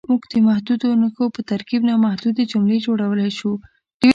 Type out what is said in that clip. موږ د محدودو نښو په ترکیب نامحدودې جملې جوړولی شو.